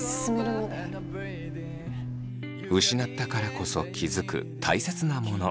失ったからこそ気付くたいせつなもの。